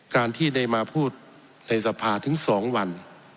การที่ได้มาพูดในสภาถึง๒วัน